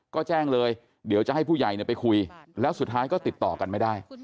ก็แจ้งเลยเดี๋ยวจะให้ผู้ใหญ่ไปคุยแล้วสุดท้ายก็ติดต่อกันไม่ได้